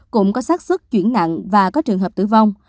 cũng có sát sức chuyển nặng và có trường hợp tử vong